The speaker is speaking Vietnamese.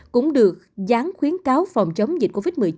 cũng được dán khuyến cáo phòng chống dịch covid một mươi chín